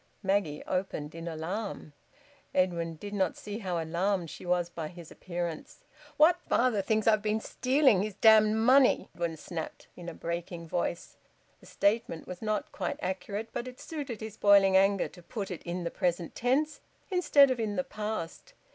Maggie opened, in alarm. Edwin did not see how alarmed she was by his appearance. "What " "Father thinks I've been stealing his damned money!" Edwin snapped, in a breaking voice. The statement was not quite accurate, but it suited his boiling anger to put it in the present tense instead of in the past.